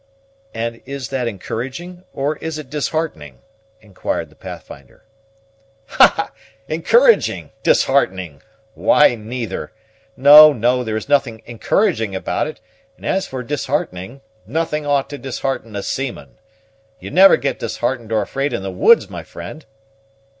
"And is that encouraging? or is it disheartening?" inquired the Pathfinder. "Ha! encouraging disheartening! why, neither. No, no, there is nothing encouraging about it; and as for disheartening, nothing ought to dishearten a seaman. You never get disheartened or afraid in the woods, my friend?"